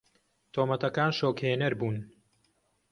تۆمەتەکان شۆکهێنەر بوون.